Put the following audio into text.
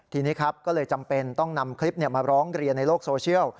ทีนี้ครับก็เลยจำเป็นต้องนำคลิปมาร้องเรียนในโลกโซเชียล